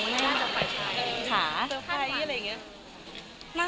ไม่อ่ะคะไม่